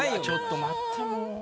ちょっと待ってもう。